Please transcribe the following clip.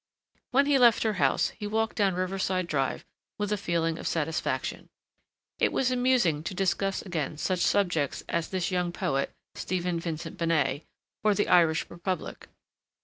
When he left her house he walked down Riverside Drive with a feeling of satisfaction. It was amusing to discuss again such subjects as this young poet, Stephen Vincent Benet, or the Irish Republic.